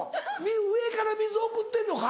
上から水送ってんのか？